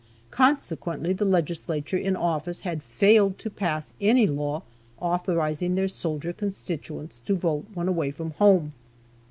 Consequently the legislature in office had failed to pass any law authorizing their soldier constituents to vote when away from home.